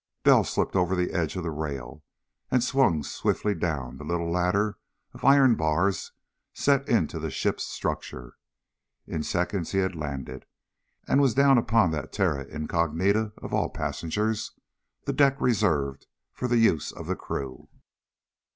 Bell slipped over the edge of the rail and swung swiftly down the little ladder of iron bars set into the ship's structure. In seconds he had landed, and was down upon that terra incognita of all passengers, the deck reserved for the use of the crew.